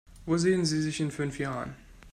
Wo sehen Sie sich in fünf Jahren?